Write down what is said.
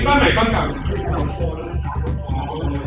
สวัสดีครับวันนี้เราจะกลับมาเมื่อไหร่